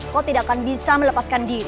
kau tidak akan bisa melepaskan diri